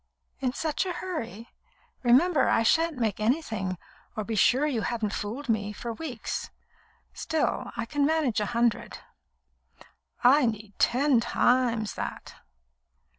"In such a hurry? Remember I shan't make anything, or be sure you haven't fooled me, for weeks. Still, I can manage a hundred." "I need ten times that."